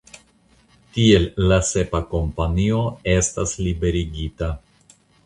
Tiel la sepa kompanio estas liberigita.